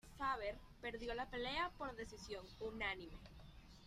Faber perdió la pelea por decisión unánime.